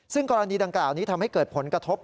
ซึ่งกรณีดังกล่าวนี้ทำให้เกิดผลกระทบ